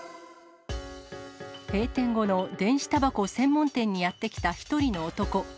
閉店後の電子たばこ専門店にやって来た１人の男。